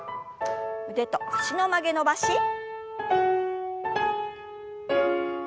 腕と脚の曲げ伸ばし。